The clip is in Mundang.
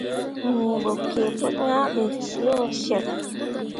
Nii bo kǝǝ pu yah be yo ceɓ.